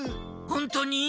ほんとに？